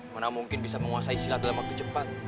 mana mungkin bisa menguasai silat dalam waktu cepat